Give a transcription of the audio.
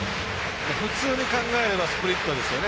普通に考えればスプリットですよね。